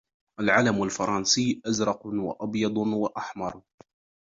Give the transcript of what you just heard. العلم الفرنسي ازرق و ابيض و احمر.